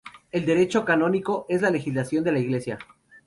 El derecho canónico es la legislación de la Iglesia.